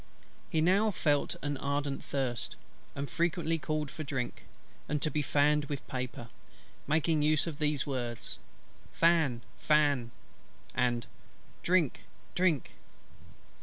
He now felt an ardent thirst; and frequently called for drink, and to be fanned with paper, making use of these words: "Fan, fan," and "Drink, drink."